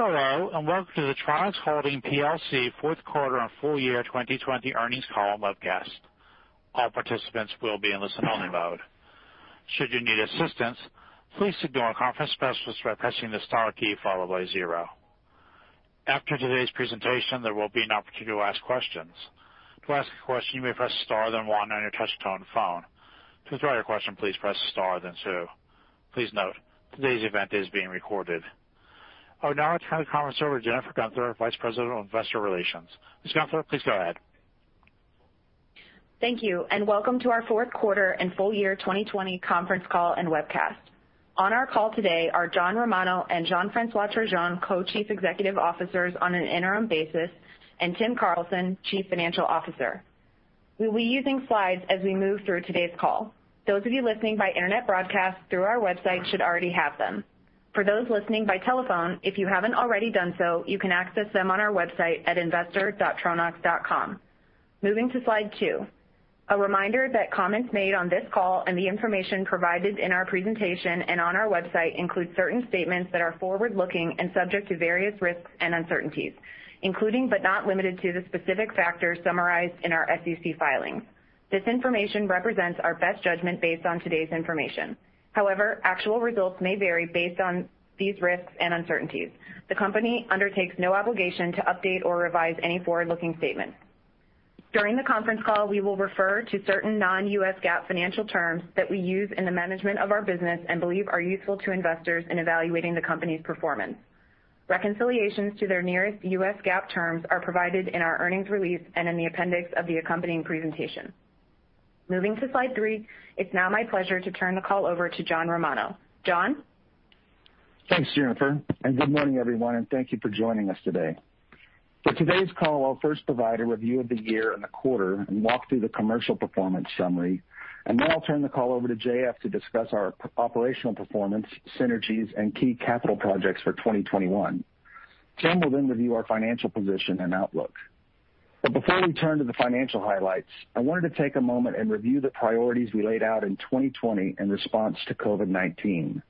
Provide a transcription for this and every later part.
Hello, welcome to the Tronox Holdings plc fourth quarter and full year 2020 earnings call and webcast. All participants will be in listen only mode. Should you need assistance, please signal a conference specialist by pressing the star key followed by zero. After today's presentation, there will be an opportunity to ask questions. To ask a question, you may press star then one on your touch-tone phone. To withdraw your question, please press star then two. Please note, today's event is being recorded. I would now like to turn the conference over to Jennifer Guenther, Vice President of Investor Relations. Ms. Guenther, please go ahead. Thank you. Welcome to our fourth quarter and full year 2020 conference call and webcast. On our call today are John Romano and Jean-François Turgeon, Co-Chief Executive Officers on an interim basis, and Tim Carlson, Chief Financial Officer. We will be using slides as we move through today's call. Those of you listening by internet broadcast through our website should already have them. For those listening by telephone, if you haven't already done so, you can access them on our website at investor.tronox.com. Moving to slide two. A reminder that comments made on this call and the information provided in our presentation and on our website include certain statements that are forward-looking and subject to various risks and uncertainties, including but not limited to the specific factors summarized in our SEC filings. This information represents our best judgment based on today's information. However, actual results may vary based on these risks and uncertainties. The company undertakes no obligation to update or revise any forward-looking statement. During the conference call, we will refer to certain non-U.S. GAAP financial terms that we use in the management of our business and believe are useful to investors in evaluating the company's performance. Reconciliations to their nearest U.S. GAAP terms are provided in our earnings release and in the appendix of the accompanying presentation. Moving to slide three. It's now my pleasure to turn the call over to John Romano. John? Thanks, Jennifer, and good morning, everyone, and thank you for joining us today. For today's call, I'll first provide a review of the year and the quarter and walk through the commercial performance summary, and then I'll turn the call over to JF to discuss our operational performance, synergies, and key capital projects for 2021. Tim will then review our financial position and outlook. Before we turn to the financial highlights, I wanted to take a moment and review the priorities we laid out in 2020 in response to COVID-19.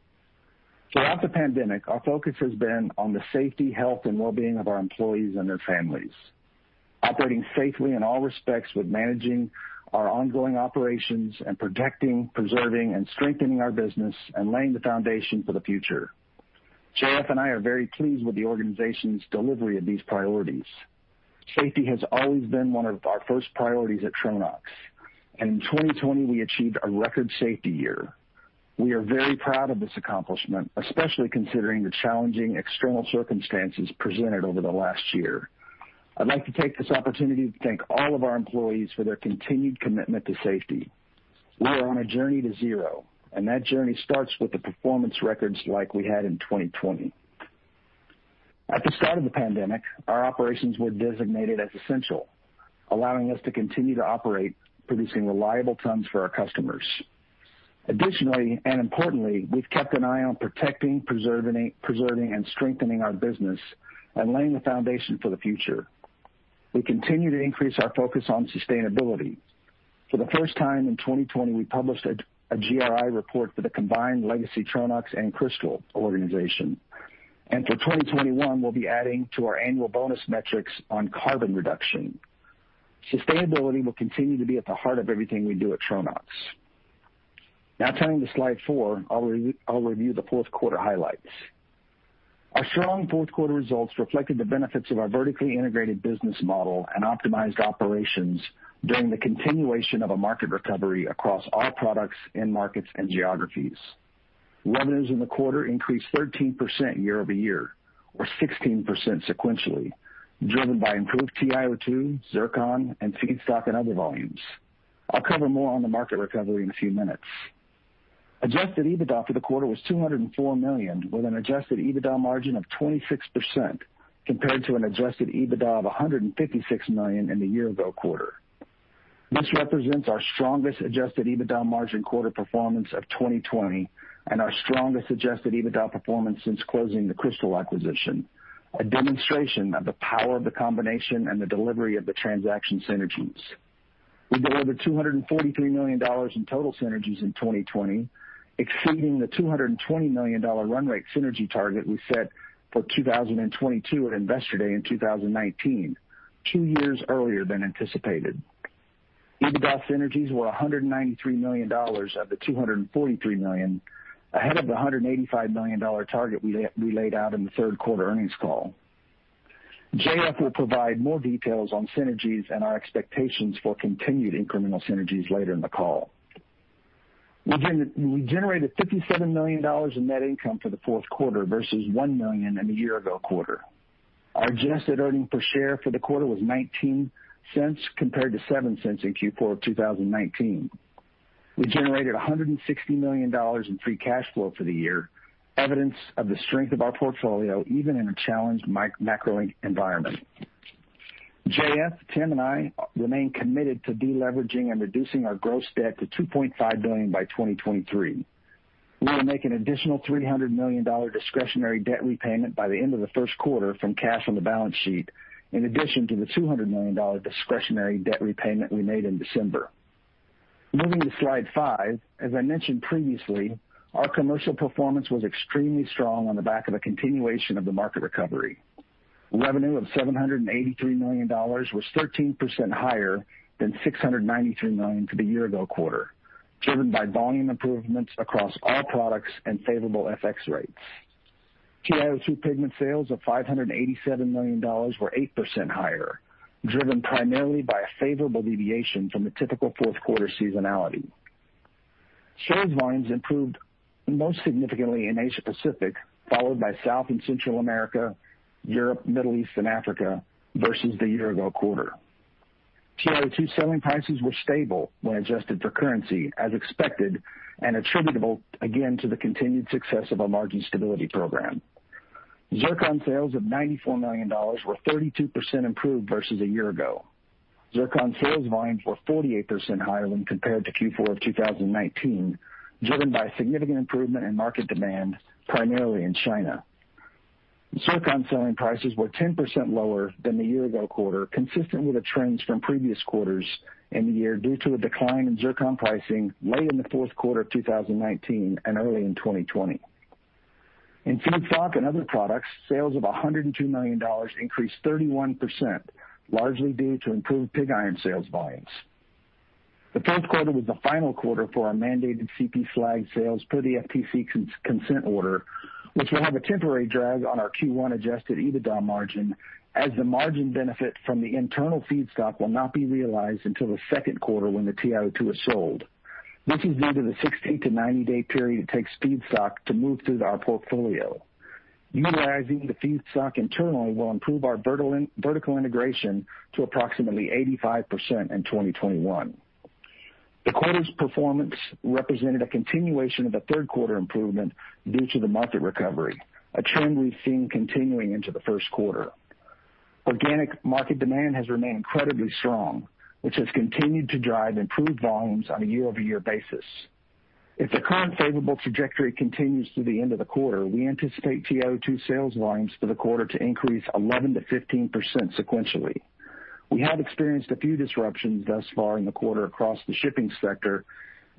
Throughout the pandemic, our focus has been on the safety, health, and wellbeing of our employees and their families, operating safely in all respects with managing our ongoing operations and protecting, preserving, and strengthening our business and laying the foundation for the future. JF and I are very pleased with the organization's delivery of these priorities. Safety has always been one of our first priorities at Tronox, and in 2020, we achieved a record safety year. We are very proud of this accomplishment, especially considering the challenging external circumstances presented over the last year. I'd like to take this opportunity to thank all of our employees for their continued commitment to safety. We are on a journey to zero, and that journey starts with the performance records like we had in 2020. At the start of the pandemic, our operations were designated as essential, allowing us to continue to operate, producing reliable tons for our customers. Additionally, and importantly, we've kept an eye on protecting, preserving, and strengthening our business and laying the foundation for the future. We continue to increase our focus on sustainability. For the first time in 2020, we published a GRI report for the combined legacy Tronox and Cristal organization. For 2021, we'll be adding to our annual bonus metrics on carbon reduction. Sustainability will continue to be at the heart of everything we do at Tronox. Turning to slide four, I'll review the fourth quarter highlights. Our strong fourth quarter results reflected the benefits of our vertically integrated business model and optimized operations during the continuation of a market recovery across all products, end markets, and geographies. Revenues in the quarter increased 13% year-over-year or 16% sequentially, driven by improved TiO2, zircon, and feedstock and other volumes. I'll cover more on the market recovery in a few minutes. Adjusted EBITDA for the quarter was $204 million, with an adjusted EBITDA margin of 26%, compared to an adjusted EBITDA of $156 million in the year-ago quarter. This represents our strongest adjusted EBITDA margin quarter performance of 2020 and our strongest adjusted EBITDA performance since closing the Cristal acquisition, a demonstration of the power of the combination and the delivery of the transaction synergies. We delivered $243 million in total synergies in 2020, exceeding the $220 million run rate synergy target we set for 2022 at Investor Day in 2019, two years earlier than anticipated. EBITDA synergies were $193 million of the $243 million, ahead of the $185 million target we laid out in the third quarter earnings call. J.F. will provide more details on synergies and our expectations for continued incremental synergies later in the call. We generated $57 million in net income for the fourth quarter versus $1 million in the year ago quarter. Our adjusted earnings per share for the quarter was $0.19 compared to $0.07 in Q4 of 2019. We generated $160 million in free cash flow for the year, evidence of the strength of our portfolio, even in a challenged macro environment. J.F., Tim, and I remain committed to deleveraging and reducing our gross debt to $2.5 billion by 2023. We will make an additional $300 million discretionary debt repayment by the end of the first quarter from cash on the balance sheet, in addition to the $200 million discretionary debt repayment we made in December. Moving to slide five. As I mentioned previously, our commercial performance was extremely strong on the back of a continuation of the market recovery. Revenue of $783 million was 13% higher than $693 million for the year ago quarter, driven by volume improvements across all products and favorable FX rates. TiO2 pigment sales of $587 million were 8% higher, driven primarily by a favorable deviation from the typical fourth quarter seasonality. Sales volumes improved most significantly in Asia Pacific, followed by South and Central America, Europe, Middle East, and Africa versus the year ago quarter. TiO2 selling prices were stable when adjusted for currency, as expected, and attributable again to the continued success of our margin stability program. Zircon sales of $94 million were 32% improved versus a year ago. Zircon sales volumes were 48% higher when compared to Q4 of 2019, driven by a significant improvement in market demand, primarily in China. Zircon selling prices were 10% lower than the year ago quarter, consistent with the trends from previous quarters in the year, due to a decline in zircon pricing late in the fourth quarter of 2019 and early in 2020. In feedstock and other products, sales of $102 million increased 31%, largely due to improved pig iron sales volumes. The fourth quarter was the final quarter for our mandated CP slag sales per the FTC consent order, which will have a temporary drag on our Q1 adjusted EBITDA margin, as the margin benefit from the internal feedstock will not be realized until the second quarter when the TiO2 is sold. This is due to the 60- to 90-day period it takes feedstock to move through our portfolio. Utilizing the feedstock internally will improve our vertical integration to approximately 85% in 2021. The quarter's performance represented a continuation of the third quarter improvement due to the market recovery, a trend we've seen continuing into the first quarter. Organic market demand has remained incredibly strong, which has continued to drive improved volumes on a year-over-year basis. If the current favorable trajectory continues through the end of the quarter, we anticipate TiO2 sales volumes for the quarter to increase 11%-15% sequentially. We have experienced a few disruptions thus far in the quarter across the shipping sector,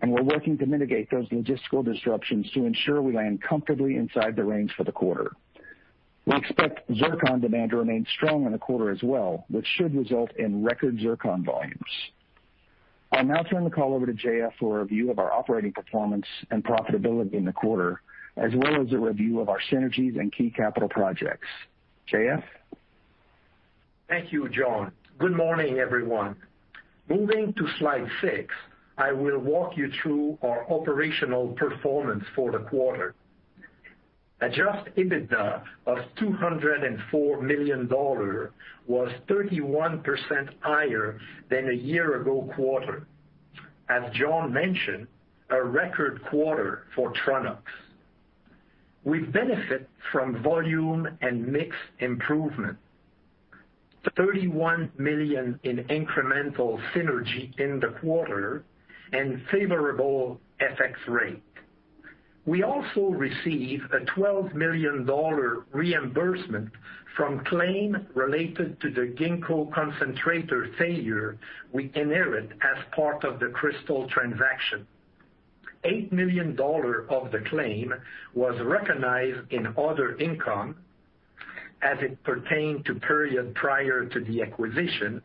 and we're working to mitigate those logistical disruptions to ensure we land comfortably inside the range for the quarter. We expect zircon demand to remain strong in the quarter as well, which should result in record zircon volumes. I'll now turn the call over to J.F. for a review of our operating performance and profitability in the quarter, as well as a review of our synergies and key capital projects. J.F.? Thank you, John. Good morning, everyone. Moving to slide six, I will walk you through our operational performance for the quarter. Adjusted EBITDA of $204 million was 31% higher than the year-ago quarter. As John mentioned, a record quarter for Tronox. We benefit from volume and mix improvement, $31 million in incremental synergy in the quarter, favorable FX rate. We also received a $12 million reimbursement from claim related to the Ginkgo concentrator failure we inherited as part of the Cristal transaction. $8 million of the claim was recognized in other income as it pertained to period prior to the acquisition,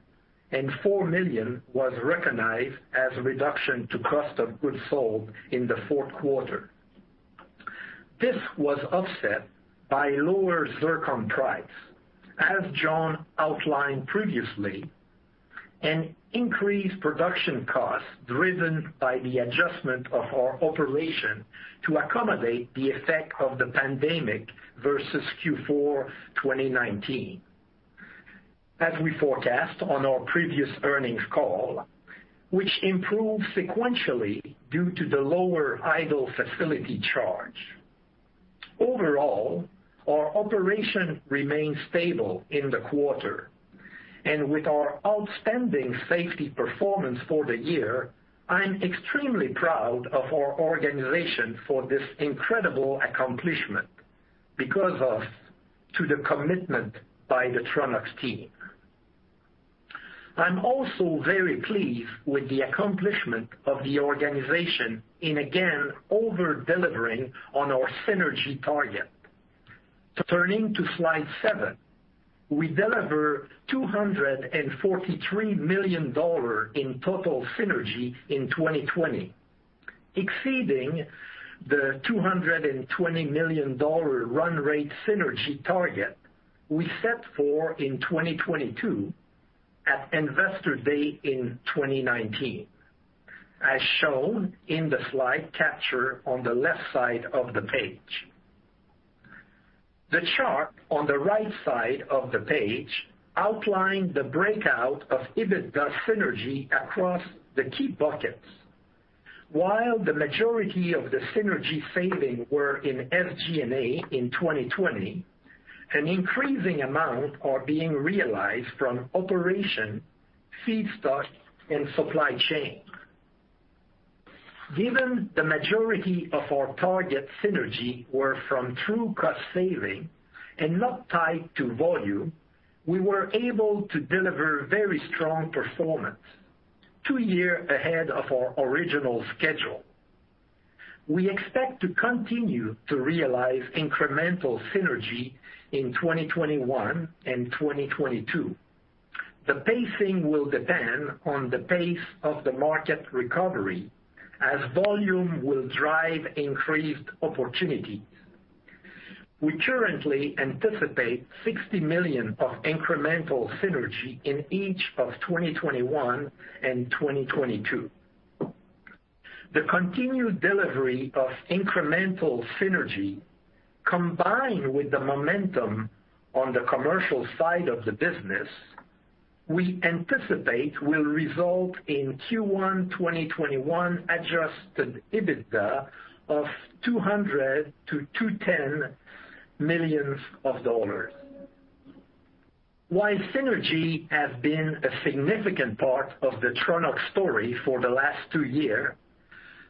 and $4 million was recognized as a reduction to cost of goods sold in the fourth quarter. This was offset by lower zircon price, as John outlined previously, and increased production costs driven by the adjustment of our operation to accommodate the effect of the pandemic versus Q4 2019. As we forecast on our previous earnings call, which improved sequentially due to the lower idle facility charge. Overall, our operation remained stable in the quarter. With our outstanding safety performance for the year, I'm extremely proud of our organization for this incredible accomplishment because of the commitment by the Tronox team. I'm also very pleased with the accomplishment of the organization in again over-delivering on our synergy target. Turning to slide seven. We delivered $243 million in total synergy in 2020, exceeding the $220 million run rate synergy target we set for in 2022 at Investor Day in 2019, as shown in the slide capture on the left side of the page. The chart on the right side of the page outlines the breakout of EBITDA synergy across the key buckets. While the majority of the synergy savings were in SG&A in 2020, an increasing amount are being realized from operation, feedstock, and supply chain. Given the majority of our target synergy were from true cost saving and not tied to volume, we were able to deliver very strong performance two years ahead of our original schedule. We expect to continue to realize incremental synergy in 2021 and 2022. The pacing will depend on the pace of the market recovery, as volume will drive increased opportunities. We currently anticipate $60 million of incremental synergy in each of 2021 and 2022. The continued delivery of incremental synergy, combined with the momentum on the commercial side of the business, we anticipate will result in Q1 2021 adjusted EBITDA of $200 million-$210 million. While synergy has been a significant part of the Tronox story for the last two year,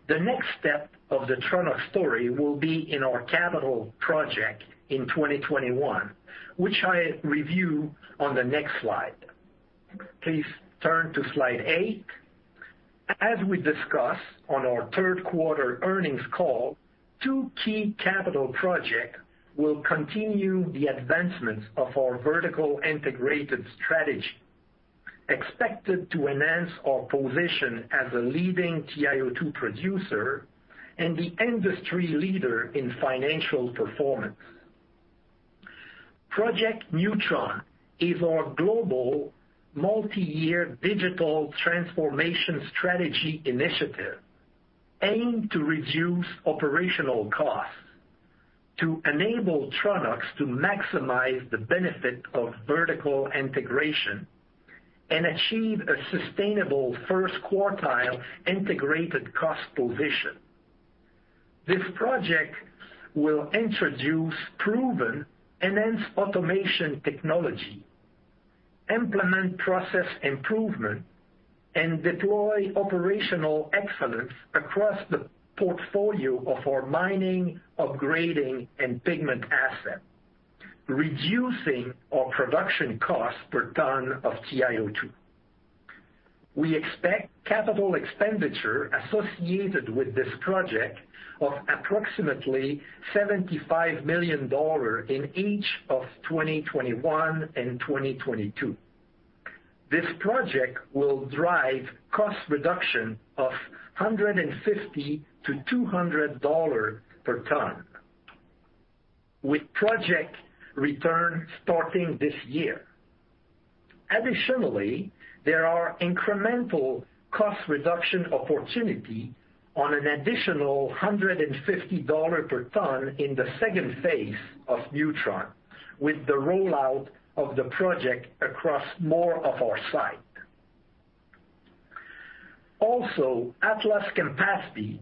the next step of the Tronox story will be in our capital project in 2021, which I review on the next slide. Please turn to slide eight. As we discussed on our third quarter earnings call, two key capital project will continue the advancement of our vertical integrated strategy, expected to enhance our position as a leading TiO2 producer and the industry leader in financial performance. Project Neutron is our global multi-year digital transformation strategy initiative, aimed to reduce operational costs to enable Tronox to maximize the benefit of vertical integration and achieve a sustainable first quartile integrated cost position. This project will introduce proven enhanced automation technology, implement process improvement, and deploy operational excellence across the portfolio of our mining, upgrading, and pigment asset, reducing our production cost per ton of TiO2. We expect capital expenditure associated with this project of approximately $75 million in each of 2021 and 2022. This project will drive cost reduction of $150-$200 per ton, with project return starting this year. Additionally, there are incremental cost reduction opportunity on an additional $150 per ton in the second phase of Project Neutron, with the rollout of the project across more of our site. Atlas-Campaspe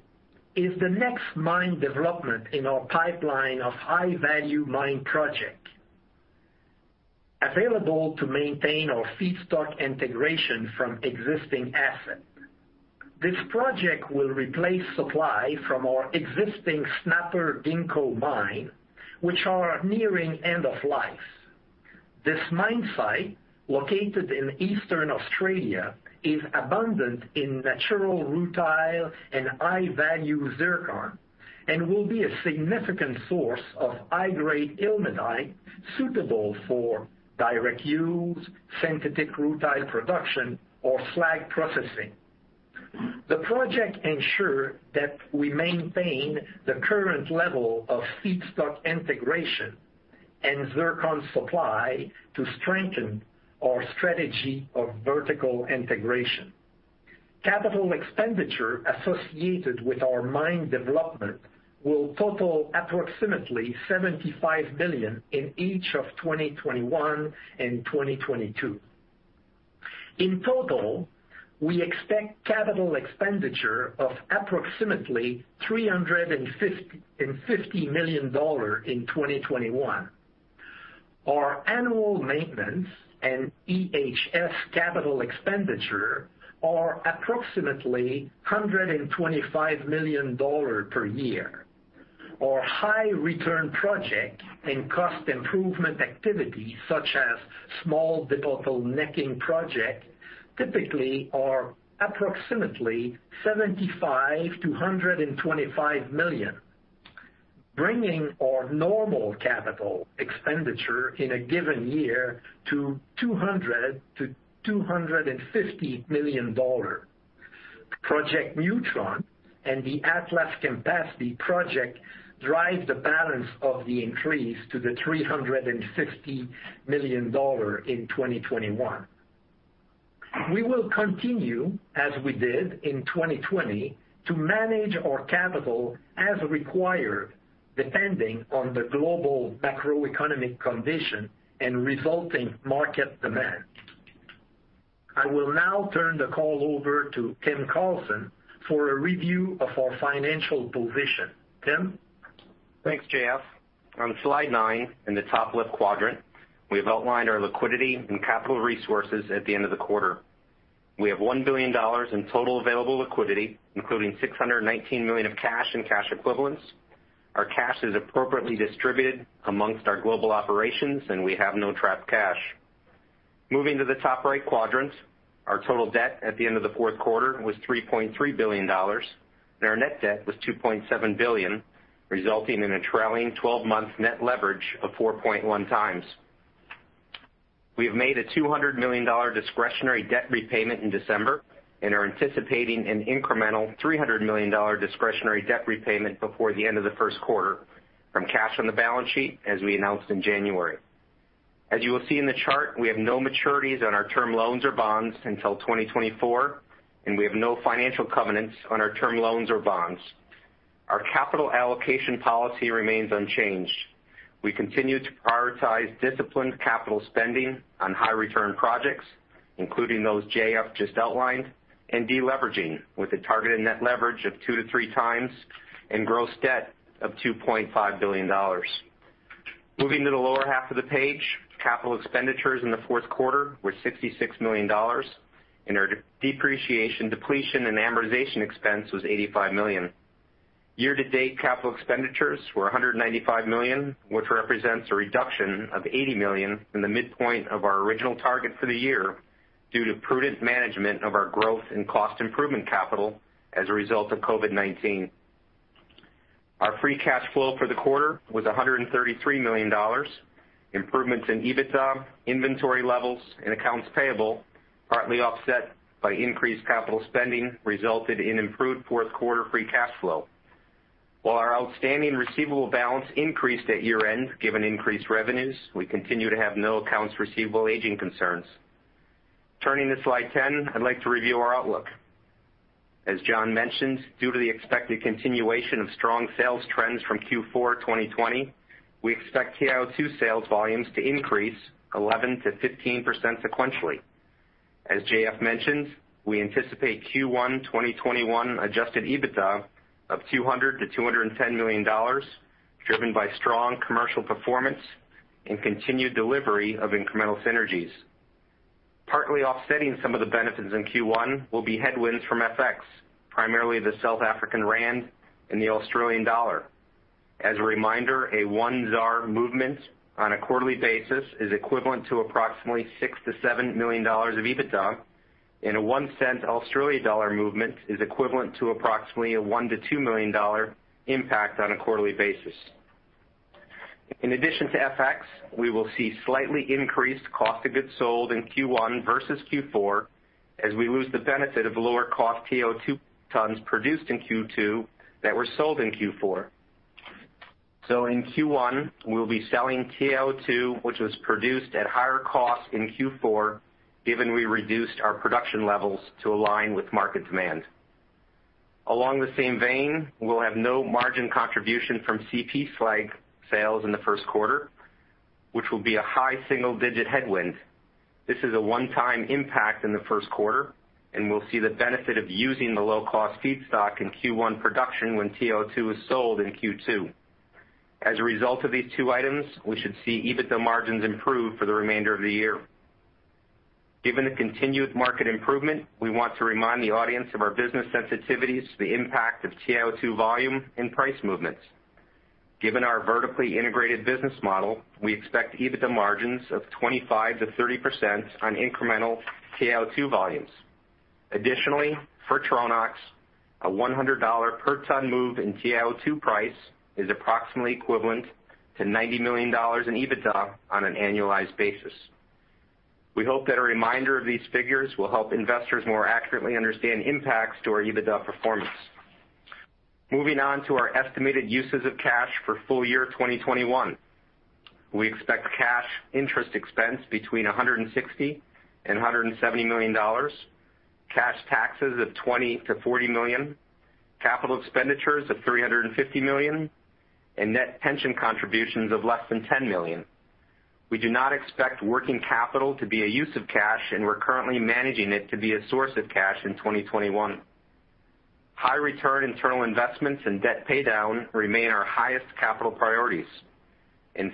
is the next mine development in our pipeline of high-value mine project, available to maintain our feedstock integration from existing asset. This project will replace supply from our existing Snapper-Ginkgo mine, which are nearing end of life. This mine site, located in Eastern Australia, is abundant in natural rutile and high-value zircon, and will be a significant source of high-grade ilmenite suitable for direct use, synthetic rutile production, or slag processing. The project ensure that we maintain the current level of feedstock integration and zircon supply to strengthen our strategy of vertical integration. Capital expenditure associated with our mine development will total approximately $75 million in each of 2021 and 2022. In total, we expect capital expenditure of approximately $350 million in 2021. Our annual maintenance and EHS capital expenditure are approximately $125 million per year. Our high return project and cost improvement activities, such as small debottlenecking project, typically are approximately $75 million-$125 million, bringing our normal capital expenditure in a given year to $200 million-$250 million. Project Neutron and the Atlas-Campaspe project drive the balance of the increase to the $350 million in 2021. We will continue, as we did in 2020, to manage our capital as required, depending on the global macroeconomic condition and resulting market demand. I will now turn the call over to Tim Carlson for a review of our financial position. Tim? Thanks, JF. On slide nine, in the top left quadrant, we have outlined our liquidity and capital resources at the end of the quarter. We have $1 billion in total available liquidity, including $619 million of cash and cash equivalents. Our cash is appropriately distributed amongst our global operations, and we have no trapped cash. Moving to the top right quadrant. Our total debt at the end of the fourth quarter was $3.3 billion, and our net debt was $2.7 billion, resulting in a trailing 12-month net leverage of 4.1x. We have made a $200 million discretionary debt repayment in December and are anticipating an incremental $300 million discretionary debt repayment before the end of the first quarter from cash on the balance sheet, as we announced in January. As you will see in the chart, we have no maturities on our term loans or bonds until 2024, and we have no financial covenants on our term loans or bonds. Our capital allocation policy remains unchanged. We continue to prioritize disciplined capital spending on high-return projects, including those JF just outlined, and de-leveraging with a targeted net leverage of 2x-3x and gross debt of $2.5 billion. Moving to the lower half of the page, capital expenditures in the fourth quarter were $66 million, and our depreciation, depletion, and amortization expense was $85 million. Year-to-date capital expenditures were $195 million, which represents a reduction of $80 million from the midpoint of our original target for the year due to prudent management of our growth and cost improvement capital as a result of COVID-19. Our free cash flow for the quarter was $133 million. Improvements in EBITDA, inventory levels, and accounts payable, partly offset by increased capital spending, resulted in improved fourth-quarter free cash flow. While our outstanding receivable balance increased at year-end, given increased revenues, we continue to have no accounts receivable aging concerns. Turning to slide 10, I'd like to review our outlook. As John mentioned, due to the expected continuation of strong sales trends from Q4 2020, we expect TiO2 sales volumes to increase 11%-15% sequentially. As JF mentioned, we anticipate Q1 2021 adjusted EBITDA of $200 million to $210 million, driven by strong commercial performance and continued delivery of incremental synergies. Partly offsetting some of the benefits in Q1 will be headwinds from FX, primarily the South African rand and the Australian dollar. As a reminder, a one ZAR movement on a quarterly basis is equivalent to approximately $6 million-$7 million of EBITDA, and an AUD 0.01 movement is equivalent to approximately a $1 million-$2 million impact on a quarterly basis. In addition to FX, we will see slightly increased cost of goods sold in Q1 versus Q4 as we lose the benefit of lower-cost TiO2 tons produced in Q2 that were sold in Q4. In Q1, we'll be selling TiO2, which was produced at higher cost in Q4, given we reduced our production levels to align with market demand. Along the same vein, we'll have no margin contribution from CP slag sales in the first quarter, which will be a high single-digit headwind. This is a one-time impact in the first quarter, and we'll see the benefit of using the low-cost feedstock in Q1 production when TiO2 is sold in Q2. As a result of these two items, we should see EBITDA margins improve for the remainder of the year. Given the continued market improvement, we want to remind the audience of our business sensitivities to the impact of TiO2 volume and price movements. Given our vertically integrated business model, we expect EBITDA margins of 25%-30% on incremental TiO2 volumes. Additionally, for Tronox, a $100 per ton move in TiO2 price is approximately equivalent to $90 million in EBITDA on an annualized basis. We hope that a reminder of these figures will help investors more accurately understand impacts to our EBITDA performance. Moving on to our estimated uses of cash for full-year 2021. We expect cash interest expense between $160 million and $170 million, cash taxes of $20 million-$40 million, capital expenditures of $350 million, and net pension contributions of less than $10 million. We do not expect working capital to be a use of cash. We're currently managing it to be a source of cash in 2021. High-return internal investments and debt paydown remain our highest capital priorities.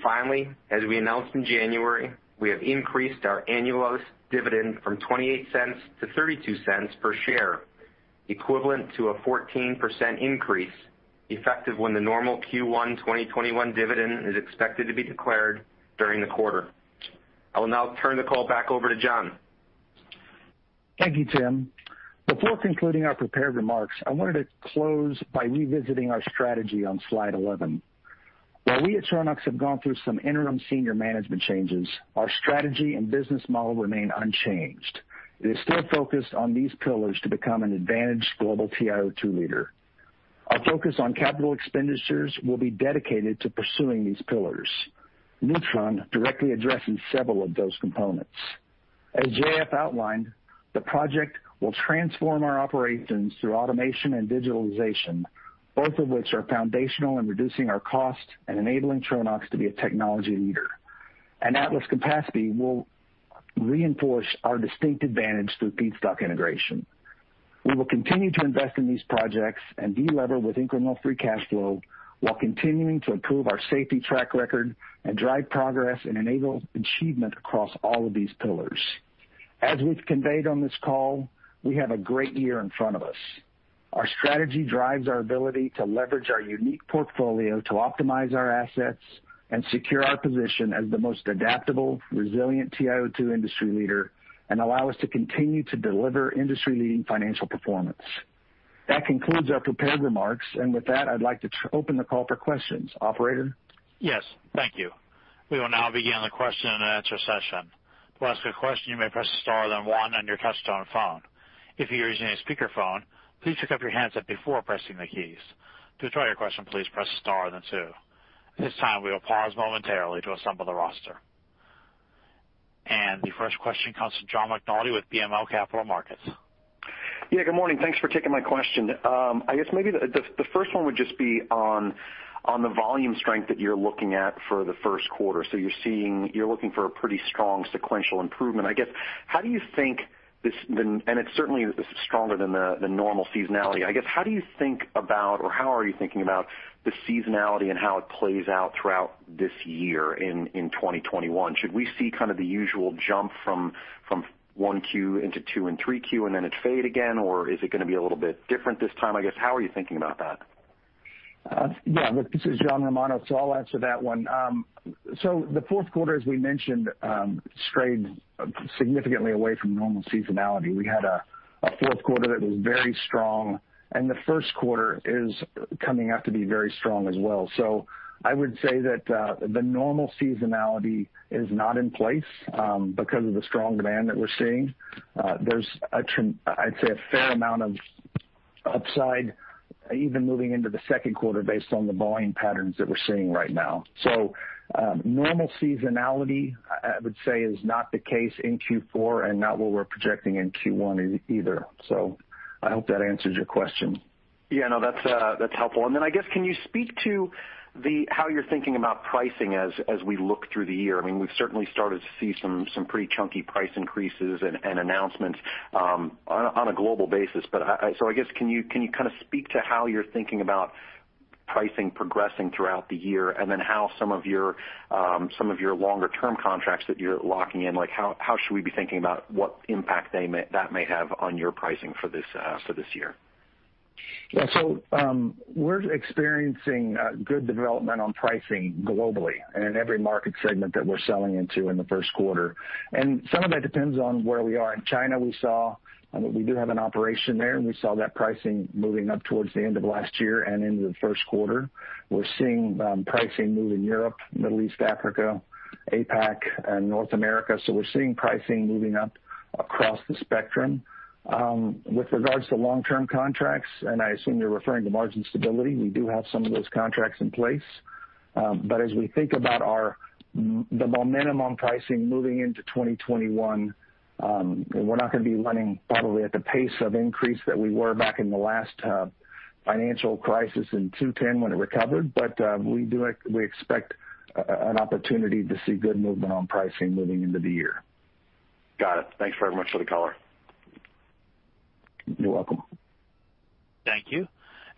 Finally, as we announced in January, we have increased our annual dividend from $0.28-$0.32 per share, equivalent to a 14% increase, effective when the normal Q1 2021 dividend is expected to be declared during the quarter. I will now turn the call back over to John. Thank you, Tim. Before concluding our prepared remarks, I wanted to close by revisiting our strategy on slide 11. While we at Tronox have gone through some interim senior management changes, our strategy and business model remain unchanged. It is still focused on these pillars to become an advantaged global TiO2 leader. Our focus on capital expenditures will be dedicated to pursuing these pillars, Neutron directly addressing several of those components. As JF outlined, the project will transform our operations through automation and digitalization, both of which are foundational in reducing our cost and enabling Tronox to be a technology leader. Atlas-Campaspe will reinforce our distinct advantage through feedstock integration. We will continue to invest in these projects and delever with incremental free cash flow while continuing to improve our safety track record and drive progress and enable achievement across all of these pillars. As we've conveyed on this call, we have a great year in front of us. Our strategy drives our ability to leverage our unique portfolio to optimize our assets and secure our position as the most adaptable, resilient TiO2 industry leader and allow us to continue to deliver industry-leading financial performance. That concludes our prepared remarks. With that, I'd like to open the call for questions. Operator? Yes. Thank you. We will now begin the question and answer session. To ask a question, you may press star then one on your touch-tone phone. If you are using a speakerphone, please pick up your handset before pressing the keys. To withdraw your question, please press star then two. At this time, we will pause momentarily to assemble the roster. The first question comes from John McNulty with BMO Capital Markets. Yeah, good morning. Thanks for taking my question. I guess maybe the first one would just be on the volume strength that you're looking at for the 1Q. You're looking for a pretty strong sequential improvement. It certainly is stronger than the normal seasonality. I guess, how do you think about or how are you thinking about the seasonality and how it plays out throughout this year in 2021? Should we see kind of the usual jump from 1Q into 2Q and 3Q and then it fade again? Is it going to be a little bit different this time? I guess, how are you thinking about that? Yeah. This is John Romano. I'll answer that one. The fourth quarter, as we mentioned, strayed significantly away from normal seasonality. We had a fourth quarter that was very strong, and the first quarter is coming out to be very strong as well. I would say that the normal seasonality is not in place because of the strong demand that we're seeing. There's, I'd say, a fair amount of upside even moving into the second quarter based on the volume patterns that we're seeing right now. Normal seasonality, I would say, is not the case in Q4 and not what we're projecting in Q1 either. I hope that answers your question. Yeah, no, that's helpful. I guess, can you speak to how you're thinking about pricing as we look through the year? We've certainly started to see some pretty chunky price increases and announcements on a global basis. I guess, can you kind of speak to how you're thinking about pricing progressing throughout the year and then how some of your longer-term contracts that you're locking in, how should we be thinking about what impact that may have on your pricing for this year? Yeah. We're experiencing good development on pricing globally in every market segment that we're selling into in the first quarter. Some of it depends on where we are. In China, we do have an operation there, and we saw that pricing moving up towards the end of last year and into the first quarter. We're seeing pricing move in Europe, Middle East, Africa, APAC, and North America. We're seeing pricing moving up across the spectrum. With regards to long-term contracts, and I assume you're referring to margin stability, we do have some of those contracts in place. As we think about the momentum on pricing moving into 2021, we're not going to be running probably at the pace of increase that we were back in the last financial crisis in 2010 when it recovered. We expect an opportunity to see good movement on pricing moving into the year. Got it. Thanks very much for the color. You're welcome. Thank you.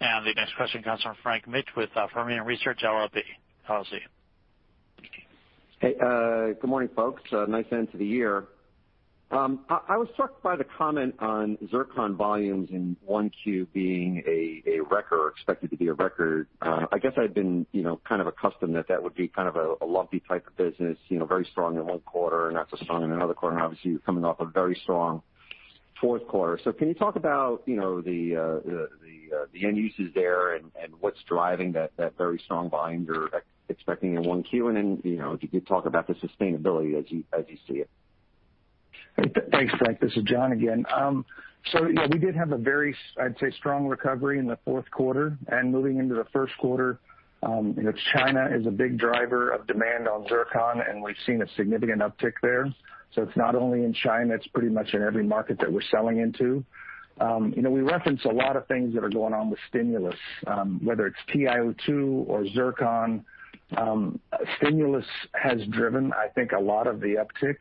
The next question comes from Frank Mitsch with Fermium Research LLC. Kelsey? Hey, good morning, folks. Nice end to the year. I was struck by the comment on zircon volumes in one Q being a record or expected to be a record. I guess I've been kind of accustomed that that would be kind of a lumpy type of business, very strong in one quarter, not so strong in another quarter. Obviously, you're coming off a very strong fourth quarter. Can you talk about the end uses there and what's driving that very strong volume you're expecting in 1Q? If you could talk about the sustainability as you see it. Thanks, Frank. This is John again. Yeah, we did have a very, I'd say, strong recovery in the fourth quarter. Moving into the first quarter, China is a big driver of demand on zircon, and we've seen a significant uptick there. It's not only in China, it's pretty much in every market that we're selling into. We reference a lot of things that are going on with stimulus whether it's TiO2 or zircon. Stimulus has driven, I think, a lot of the uptick,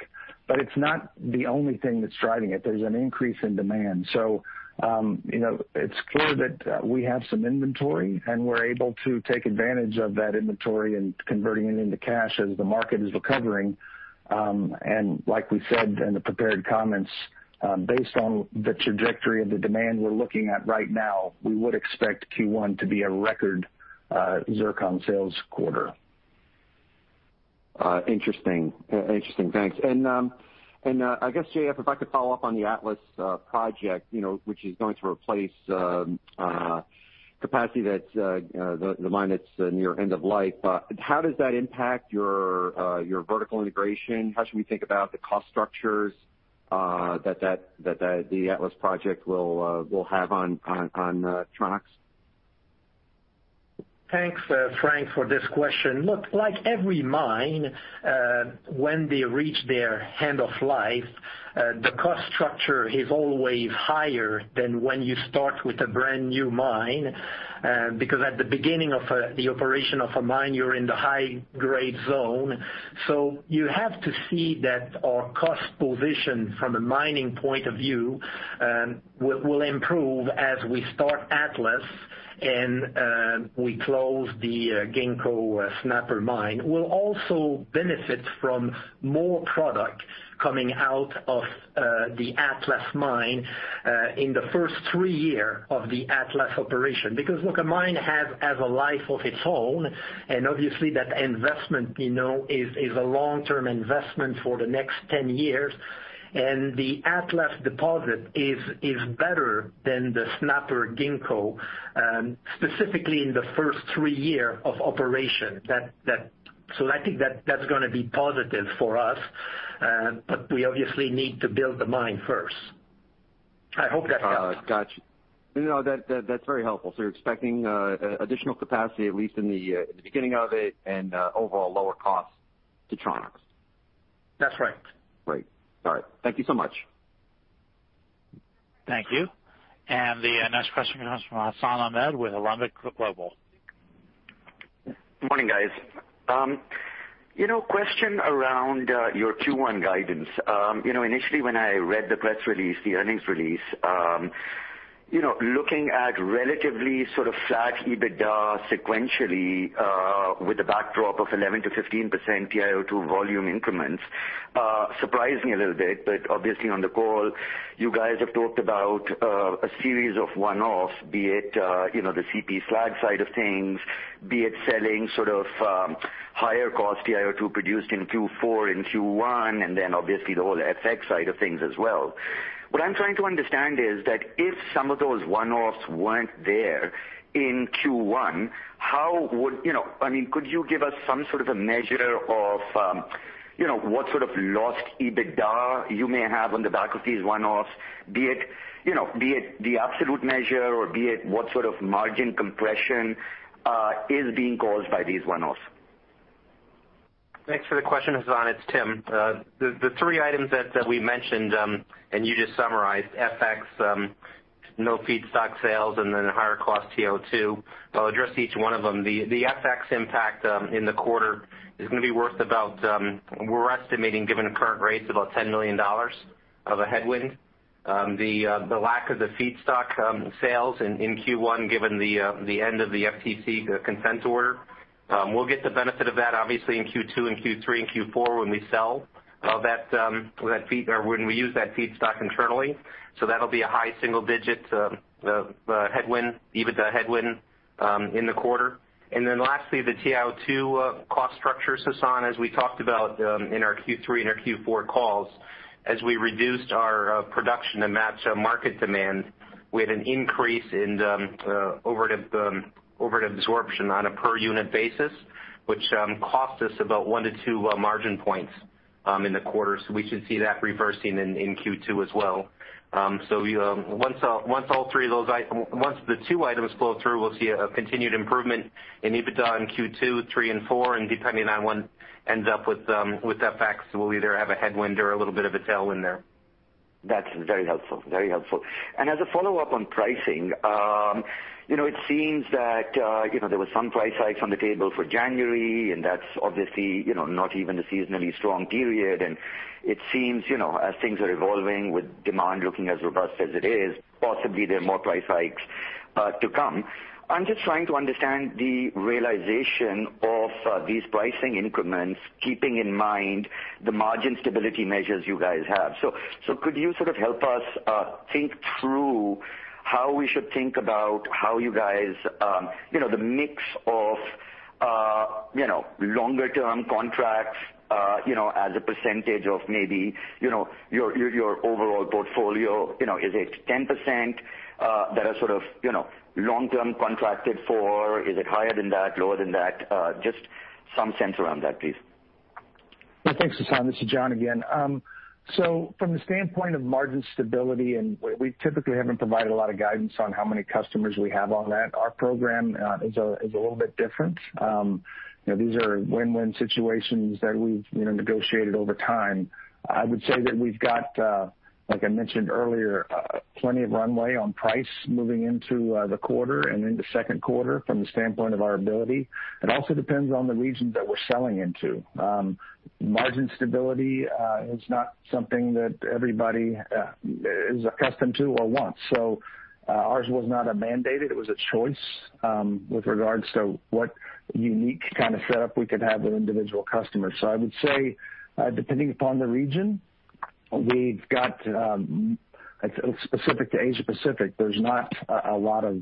but it's not the only thing that's driving it. There's an increase in demand. It's clear that we have some inventory, and we're able to take advantage of that inventory and converting it into cash as the market is recovering. Like we said in the prepared comments, based on the trajectory of the demand we're looking at right now, we would expect Q1 to be a record zircon sales quarter. Interesting. Thanks. I guess, JF, if I could follow up on the Atlas project which is going to replace capacity that's the mine that's near end of life. How does that impact your vertical integration? How should we think about the cost structures that the Atlas project will have on Tronox? Thanks, Frank, for this question. Like every mine, when they reach their end of life, the cost structure is always higher than when you start with a brand-new mine, because at the beginning of the operation of a mine, you're in the high-grade zone. You have to see that our cost position from a mining point of view will improve as we start Atlas and we close the Ginkgo Snapper mine. We'll also benefit from more product coming out of the Atlas mine in the first three year of the Atlas operation. A mine has a life of its own, and obviously that investment is a long-term investment for the next 10 years. The Atlas deposit is better than the Snapper Ginkgo, specifically in the first three year of operation. I think that's going to be positive for us, but we obviously need to build the mine first. I hope that helps. Got you. No, that's very helpful. You're expecting additional capacity, at least in the beginning of it, and overall lower costs to Tronox. That's right. Great. All right. Thank you so much. Thank you. The next question comes from Hassan Ahmed with Alembic Global Advisors. Morning, guys. Question around your Q1 guidance. Initially, when I read the press release, the earnings release, looking at relatively sort of flat EBITDA sequentially with the backdrop of 11%-15% TiO2 volume increments surprised me a little bit. Obviously on the call, you guys have talked about a series of one-offs, be it the CP slag side of things, be it selling sort of higher cost TiO2 produced in Q4 and Q1, obviously the whole FX side of things as well. What I'm trying to understand is that if some of those one-offs weren't there in Q1, could you give us some sort of a measure of what sort of lost EBITDA you may have on the back of these one-offs, be it the absolute measure or be it what sort of margin compression is being caused by these one-offs? Thanks for the question, Hassan. It's Tim. The three items that we mentioned, and you just summarized, FX, no feedstock sales, and then higher cost TiO2, I'll address each one of them. The FX impact in the quarter is going to be worth about, we're estimating, given the current rates, about $10 million of a headwind. The lack of the feedstock sales in Q1, given the end of the FTC consent order, we'll get the benefit of that obviously in Q2 and Q3 and Q4 when we use that feedstock internally. That'll be a high single-digit headwind, EBITDA headwind in the quarter. Lastly, the TiO2 cost structure, Hassan, as we talked about in our Q3 and our Q4 calls, as we reduced our production to match market demand, we had an increase in over absorption on a per unit basis, which cost us about one to two margin points in the quarter. We should see that reversing in Q2 as well. Once the two items flow through, we'll see a continued improvement in EBITDA in Q2, three, and four, and depending on what ends up with FX, we'll either have a headwind or a little bit of a tailwind there. That's very helpful. As a follow-up on pricing, it seems that there were some price hikes on the table for January, and that's obviously not even a seasonally strong period. It seems as things are evolving with demand looking as robust as it is, possibly there are more price hikes to come. I'm just trying to understand the realization of these pricing increments, keeping in mind the margin stability measures you guys have. Could you sort of help us think through how we should think about the mix of longer term contracts as a percentage of maybe your overall portfolio? Is it 10% that are sort of long-term contracted for? Is it higher than that, lower than that? Just some sense around that, please. Thanks, Hassan. This is John again. From the standpoint of margin stability, and we typically haven't provided a lot of guidance on how many customers we have on that. Our program is a little bit different. These are win-win situations that we've negotiated over time. I would say that we've got, like I mentioned earlier, plenty of runway on price moving into the quarter and into second quarter from the standpoint of our ability. It also depends on the region that we're selling into. Margin stability is not something that everybody is accustomed to or wants. Ours was not a mandate. It was a choice with regards to what unique kind of setup we could have with individual customers. I would say, depending upon the region, specific to Asia Pacific, there's not a lot of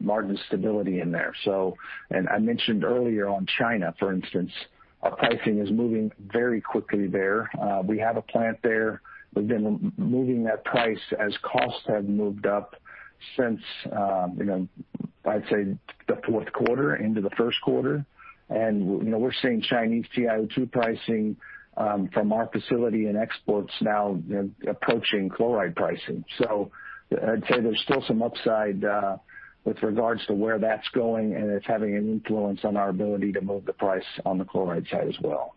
margin stability in there. I mentioned earlier on China, for instance, our pricing is moving very quickly there. We have a plant there. We've been moving that price as costs have moved up since, I'd say the fourth quarter into the first quarter. We're seeing Chinese TiO2 pricing from our facility and exports now approaching chloride pricing. I'd say there's still some upside with regards to where that's going, and it's having an influence on our ability to move the price on the chloride side as well.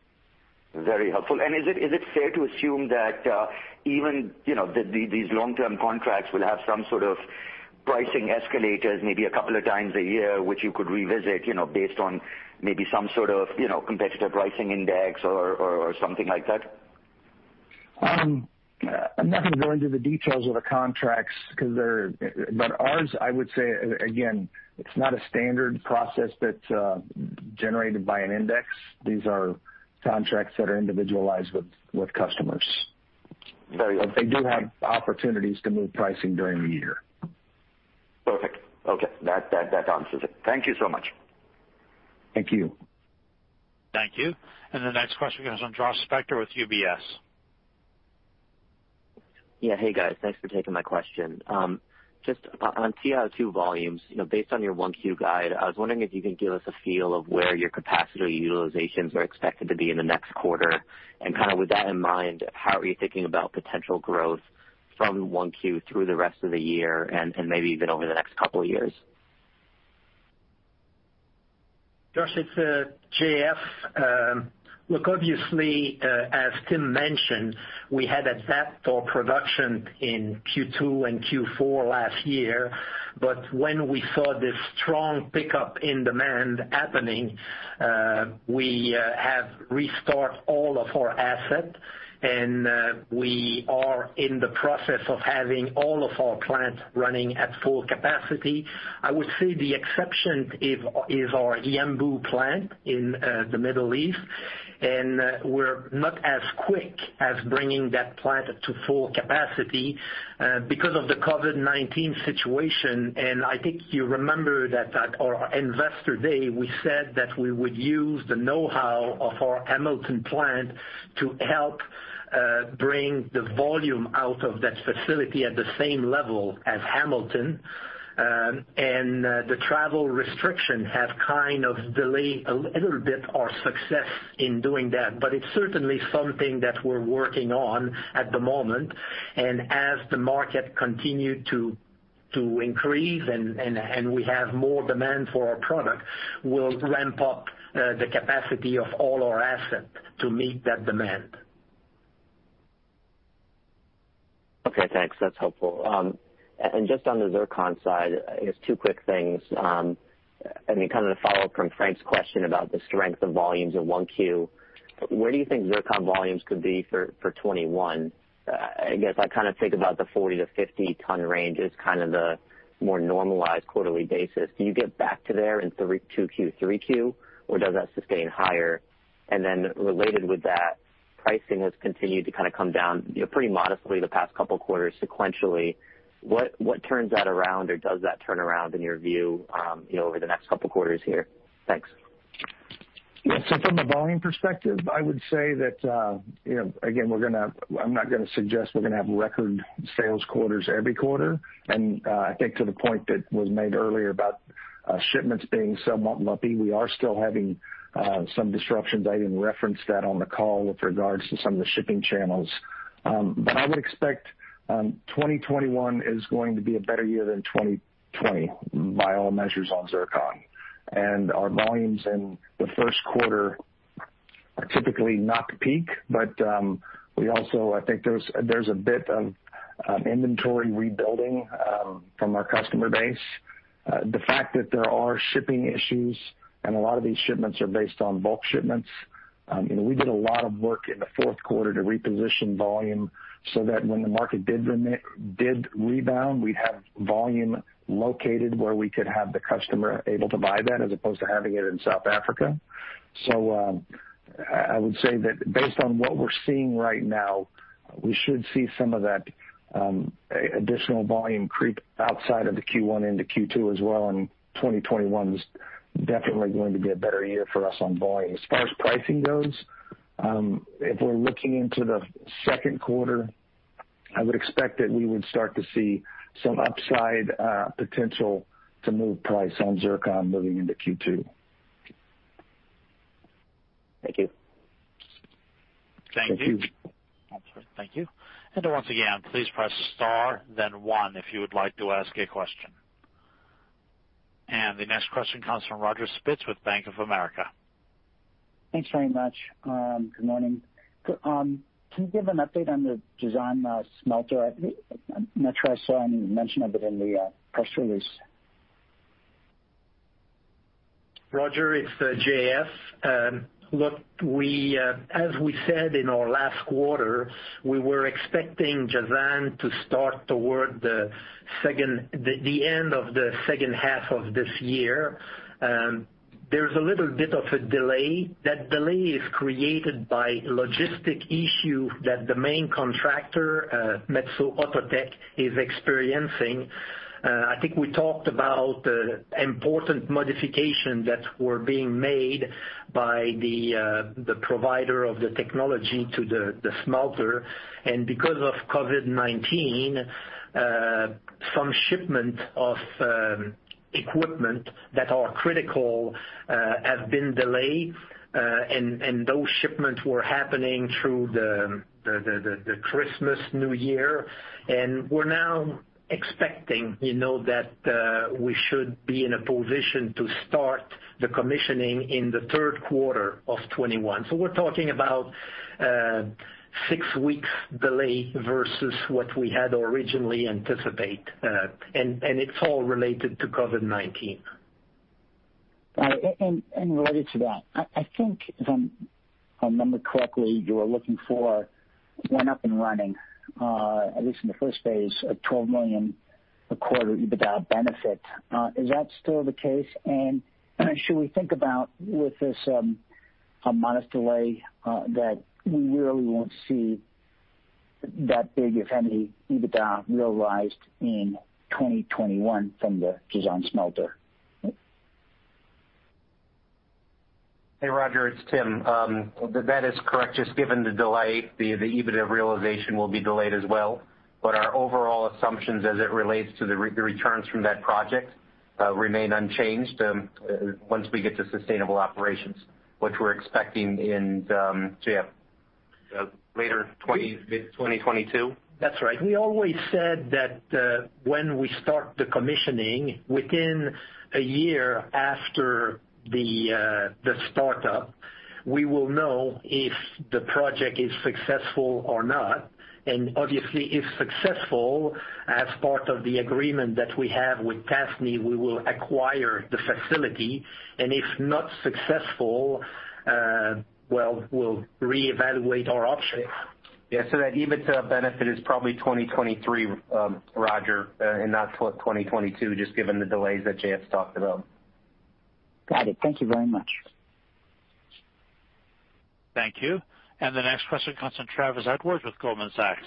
Very helpful. Is it fair to assume that even these long-term contracts will have some sort of pricing escalators maybe a couple of times a year, which you could revisit based on maybe some sort of competitive pricing index or something like that? I'm not going to go into the details of the contracts, but ours, I would say, again, it's not a standard process that's generated by an index. These are contracts that are individualized with customers. Very well. They do have opportunities to move pricing during the year. Perfect. Okay. That answers it. Thank you so much. Thank you. Thank you. The next question goes on Josh Spector with UBS. Yeah. Hey, guys. Thanks for taking my question. Just on TiO2 volumes, based on your 1Q guide, I was wondering if you can give us a feel of where your capacity utilizations are expected to be in the next quarter, kind of with that in mind, how are you thinking about potential growth from 1Q through the rest of the year and maybe even over the next couple of years? Josh, it's JF. Look, obviously, as Tim mentioned, we had adapted our production in Q2 and Q4 last year. When we saw this strong pickup in demand happening, we have restart all of our asset, and we are in the process of having all of our plants running at full capacity. I would say the exception is our Yanbu plant in the Middle East, we're not as quick as bringing that plant to full capacity because of the COVID-19 situation. I think you remember that at our Investor Day, we said that we would use the knowhow of our Hamilton plant to help bring the volume out of that facility at the same level as Hamilton. The travel restriction have kind of delayed a little bit our success in doing that. It's certainly something that we're working on at the moment. As the market continues to increase and we have more demand for our product, we'll ramp up the capacity of all our assets to meet that demand. Okay, thanks. That's helpful. Just on the zircon side, I guess two quick things. Kind of the follow-up from Frank's question about the strength of volumes in 1Q, where do you think zircon volumes could be for 2021? I guess I kind of think about the 40-50 ton range as kind of the more normalized quarterly basis. Do you get back to there in 2Q, 3Q, or does that sustain higher? Then related with that, pricing has continued to kind of come down pretty modestly the past couple quarters sequentially. What turns that around or does that turn around in your view over the next couple quarters here? Thanks. From a volume perspective, I would say that again, I'm not going to suggest we're going to have record sales quarters every quarter. I think to the point that was made earlier about shipments being somewhat lumpy, we are still having some disruptions. I even referenced that on the call with regards to some of the shipping channels. I would expect 2021 is going to be a better year than 2020 by all measures on zircon. Our volumes in the first quarter are typically not peak, but also I think there's a bit of inventory rebuilding from our customer base. The fact that there are shipping issues and a lot of these shipments are based on bulk shipments, we did a lot of work in the fourth quarter to reposition volume so that when the market did rebound, we'd have volume located where we could have the customer able to buy that as opposed to having it in South Africa. I would say that based on what we're seeing right now, we should see some of that additional volume creep outside of the Q1 into Q2 as well, and 2021 is definitely going to be a better year for us on volume. As far as pricing goes, if we're looking into the second quarter, I would expect that we would start to see some upside potential to move price on zircon moving into Q2. Thank you. Thank you. Thank you. Once again, please press star then one if you would like to ask a question. The next question comes from Roger Spitz with Bank of America. Thanks very much. Good morning. Can you give an update on the Jazan smelter? I'm not sure I saw any mention of it in the press release. Roger, it's J.F. Look, as we said in our last quarter, we were expecting Jazan to start toward the end of the second half of this year. There's a little bit of a delay. That delay is created by logistic issue that the main contractor, Metso Outotec, is experiencing. I think we talked about important modifications that were being made by the provider of the technology to the smelter. Because of COVID-19, some shipment of equipment that are critical have been delayed. Those shipments were happening through the Christmas, New Year. We're now expecting that we should be in a position to start the commissioning in the third quarter of 2021. We're talking about six weeks delay versus what we had originally anticipate. It's all related to COVID-19. Right. Related to that, I think if I remember correctly, you were looking for, when up and running, at least in the first phase, a $12 million a quarter EBITDA benefit. Is that still the case? Should we think about, with this modest delay, that we really won't see that big, if any, EBITDA realized in 2021 from the Jazan smelter? Hey, Roger, it's Tim. That is correct, just given the delay, the EBITDA realization will be delayed as well. Our overall assumptions as it relates to the returns from that project remain unchanged once we get to sustainable operations, which we're expecting in, JF, mid-2022. That's right. We always said that when we start the commissioning, within a year after the startup, we will know if the project is successful or not. Obviously, if successful, as part of the agreement that we have with Tasnee, we will acquire the facility. If not successful, we'll reevaluate our options. That EBITDA benefit is probably 2023, Roger, and not 2022, just given the delays that J.F. talked about. Got it. Thank you very much. Thank you. The next question comes from Travis Edwards with Goldman Sachs.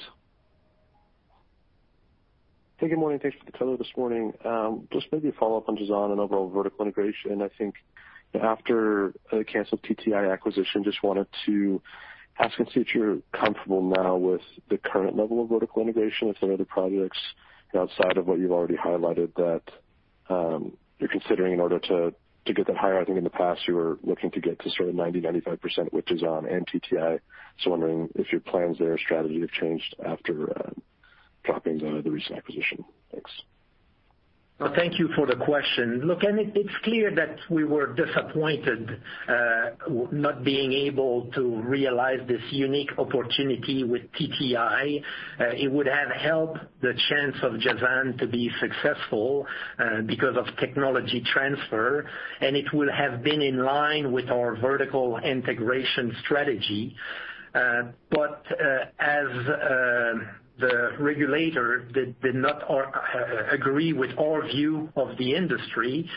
Hey, good morning. Thanks for the color this morning. Just maybe a follow-up on Jazan and overall vertical integration. I think after the canceled TTI acquisition, just wanted to ask and see if you're comfortable now with the current level of vertical integration. If there are other projects outside of what you've already highlighted that you're considering in order to get that higher. I think in the past you were looking to get to sort of 90%, 95% with Jazan and TTI. Wondering if your plans there or strategy have changed after dropping the recent acquisition. Thanks. Well, thank you for the question. Look, it's clear that we were disappointed not being able to realize this unique opportunity with TTI. It would have helped the chance of Jazan to be successful because of technology transfer, and it will have been in line with our vertical integration strategy. As the regulator did not agree with our view of the industry,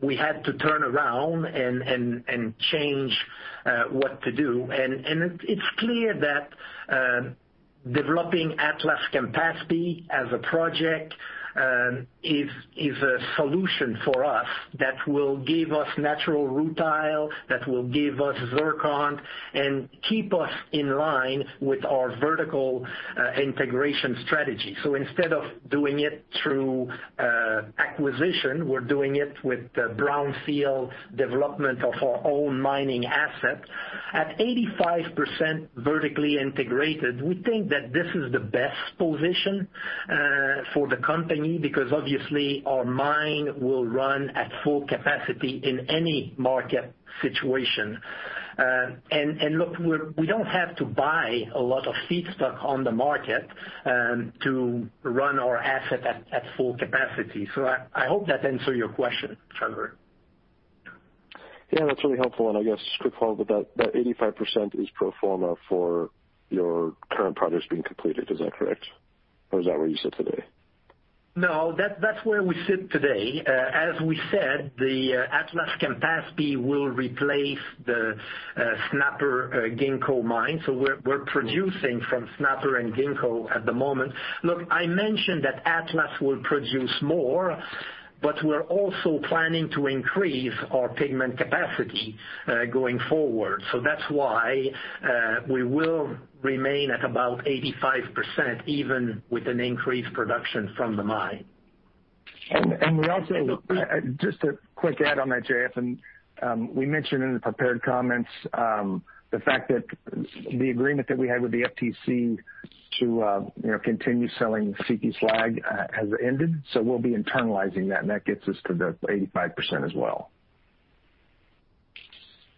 we had to turn around and change what to do. It's clear that developing Atlas-Campaspe as a project is a solution for us that will give us natural rutile, that will give us zircon and keep us in line with our vertical integration strategy. Instead of doing it through acquisition, we're doing it with brownfield development of our own mining asset. At 85% vertically integrated, we think that this is the best position for the company because obviously our mine will run at full capacity in any market situation. Look, we don't have to buy a lot of feedstock on the market to run our asset at full capacity. I hope that answered your question, Trevor. Yeah. That's really helpful. I guess quick follow-up, that 85% is pro forma for your current projects being completed. Is that correct? Or is that where you sit today? No, that's where we sit today. As we said, the Atlas-Campaspe will replace the Snapper, Ginkgo mine. We're producing from Snapper and Ginkgo at the moment. Look, I mentioned that Atlas will produce more, but we're also planning to increase our pigment capacity going forward. That's why we will remain at about 85%, even with an increased production from the mine. We also, just a quick add on that, J.F., we mentioned in the prepared comments the fact that the agreement that we had with the FTC to continue selling CP slag has ended. We'll be internalizing that, and that gets us to the 85% as well.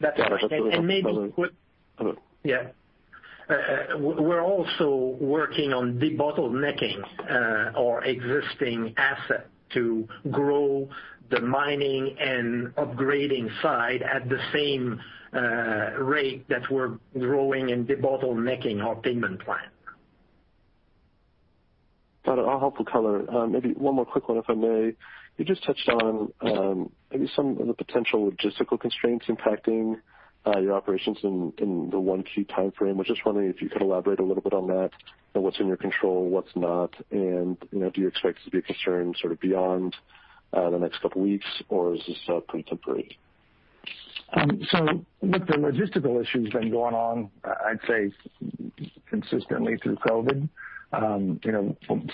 That's right. Got it. We're also working on debottlenecking our existing asset to grow the mining and upgrading side at the same rate that we're growing and debottlenecking our pigment plant. Got it. All helpful color. Maybe one more quick one, if I may. You just touched on maybe some of the potential logistical constraints impacting your operations in the 1Q timeframe. Was just wondering if you could elaborate a little bit on that and what's in your control, what's not, and do you expect it to be a concern sort of beyond the next couple weeks, or is this contemporary? Look, the logistical issue's been going on, I'd say, consistently through COVID.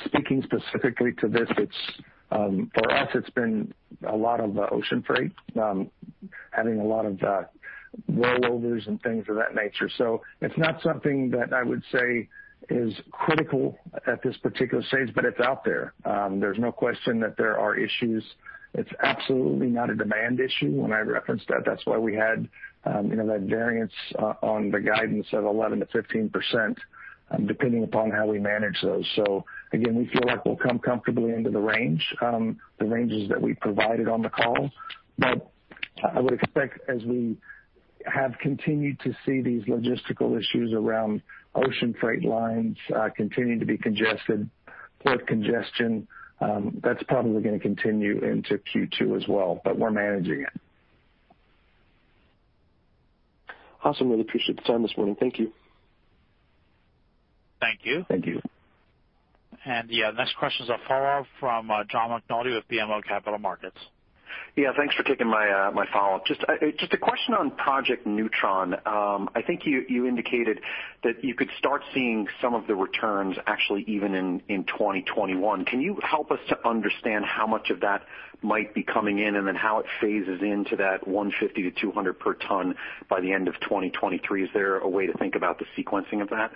Speaking specifically to this, for us, it's been a lot of ocean freight having a lot of rollovers and things of that nature. It's not something that I would say is critical at this particular stage, but it's out there. There's no question that there are issues. It's absolutely not a demand issue. When I referenced that's why we had that variance on the guidance of 11%-15%. Depending upon how we manage those. Again, we feel like we'll come comfortably into the range, the ranges that we provided on the call. I would expect as we have continued to see these logistical issues around ocean freight lines continuing to be congested, port congestion, that's probably going to continue into Q2 as well, but we're managing it. Awesome. Really appreciate the time this morning. Thank you. Thank you. Thank you. The next question is a follow-up from John McNulty with BMO Capital Markets. Yeah, thanks for taking my follow-up. Just a question on Project Neutron. I think you indicated that you could start seeing some of the returns actually even in 2021. Can you help us to understand how much of that might be coming in, and then how it phases into that $150-$200 per ton by the end of 2023? Is there a way to think about the sequencing of that?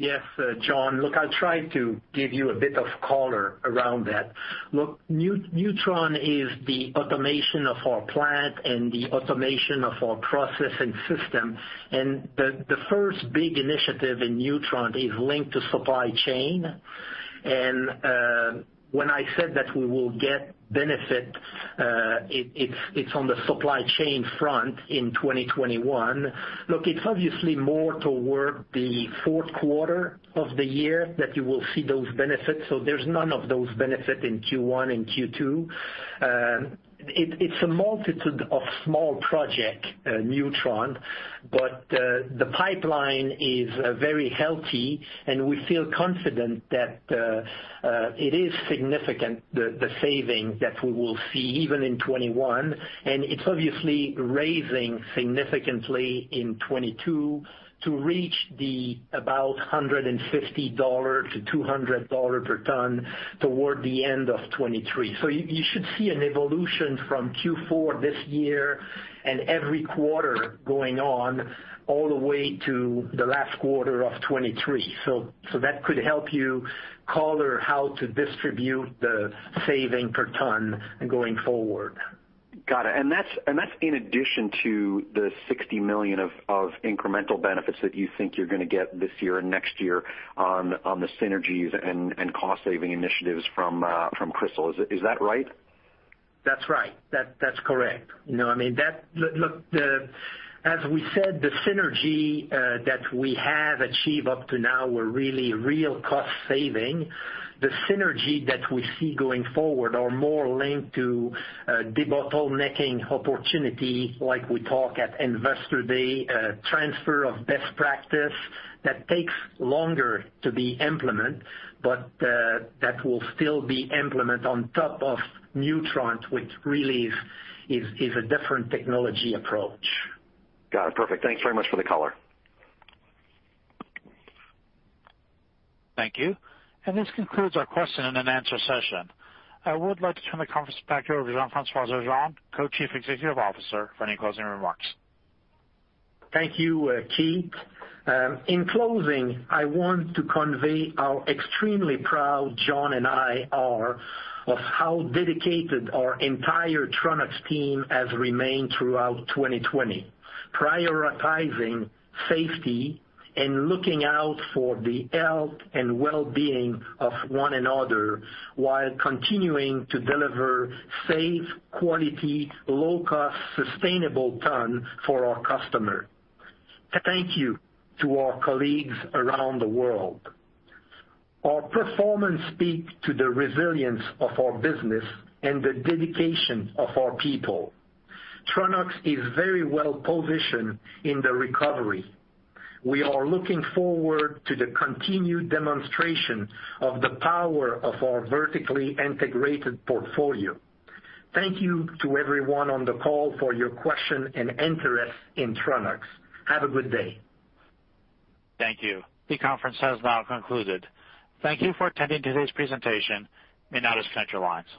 Yes, John. Look, I'll try to give you a bit of color around that. Look, Neutron is the automation of our plant and the automation of our process and system. The first big initiative in Neutron is linked to supply chain. When I said that we will get benefits, it's on the supply chain front in 2021. It's obviously more toward the fourth quarter of the year that you will see those benefits. There's none of those benefit in Q1 and Q2. It's a multitude of small Project Neutron, the pipeline is very healthy, and we feel confident that it is significant, the saving that we will see even in 2021. It's obviously raising significantly in 2022 to reach the about $150-$200 per ton toward the end of 2023. You should see an evolution from Q4 this year and every quarter going on all the way to the last quarter of 2023. That could help you color how to distribute the saving per ton going forward. Got it. That's in addition to the $60 million of incremental benefits that you think you're going to get this year and next year on the synergies and cost-saving initiatives from Cristal. Is that right? That's right. That's correct. As we said, the synergy that we have achieved up to now were really real cost saving. The synergy that we see going forward are more linked to debottlenecking opportunity, like we talk at Investor Day, transfer of best practice. That takes longer to be implement, but that will still be implement on top of Neutron, which really is a different technology approach. Got it, perfect. Thanks very much for the color. Thank you. This concludes our question and answer session. I would like to turn the conference back over to Jean-François Turgeon, Co-Chief Executive Officer, for any closing remarks. Thank you, Keith. In closing, I want to convey how extremely proud John and I are of how dedicated our entire Tronox team has remained throughout 2020, prioritizing safety and looking out for the health and wellbeing of one another while continuing to deliver safe, quality, low cost, sustainable ton for our customer. Thank you to our colleagues around the world. Our performance speak to the resilience of our business and the dedication of our people. Tronox is very well-positioned in the recovery. We are looking forward to the continued demonstration of the power of our vertically integrated portfolio. Thank you to everyone on the call for your question and interest in Tronox. Have a good day. Thank you. The conference has now concluded. Thank you for attending today's presentation in analyst call lines.